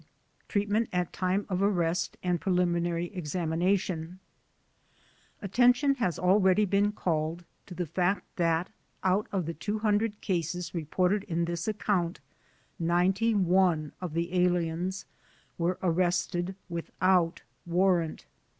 Treatment at Time of Arrest and Preliminary Examination Attention has already been called to the fact that out of the two hundred cases reported in this account ninety one of the aliens were arrested without warrant.